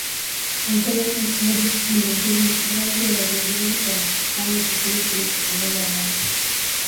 Kuanzia mwaka elfu moja sitini na mbili, matangazo yaligeuzwa na kufanywa kipindi kilichotangazwa moja kwa moja, kila siku kutoka Washington